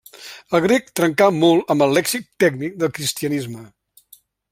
El grec trencà molt amb el lèxic tècnic del cristianisme.